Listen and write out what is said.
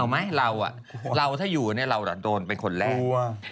ใช่อ้อมั้ยเราอ่ะเราถ้าอยู่เนี่ยเราโดนเป็นคนแรก